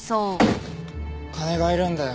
金がいるんだよ。